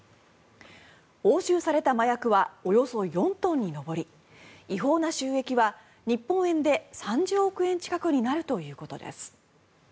押収された麻薬はおよそ４トンに上り違法な収益は日本円で３０億円近くになるということです。